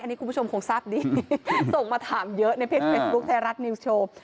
อันนี้คุณผู้ชมคงทราบดีส่งมาถามเยอะในเพจเฟซบุ๊คไทยรัฐนิวส์โชว์